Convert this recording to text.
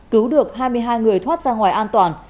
cứu được hai mươi hai người thoát ra ngoài an toàn